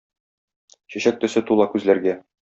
Чәчәк төсе тула күзләргә.